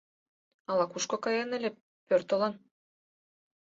Ала-кушко каен ыле, пӧртылын.